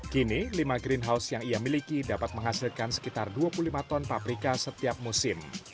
kini lima greenhouse yang ia miliki dapat menghasilkan sekitar dua puluh lima ton paprika setiap musim